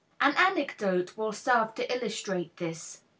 An anecdote will serve to illustrate this.